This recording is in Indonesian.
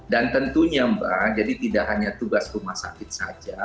dan tentunya mbak jadi tidak hanya tugas rumah sakit saja